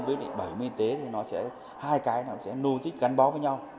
với bảo hiểm y tế thì nó sẽ hai cái nó sẽ nô dịch gắn bó với nhau